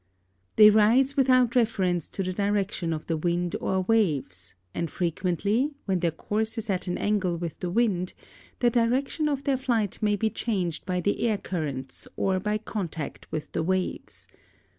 They rise without reference to the direction of the wind or waves, and frequently, when their course is at an angle with the wind, the direction of their flight may be changed by the air currents or by contact with the waves.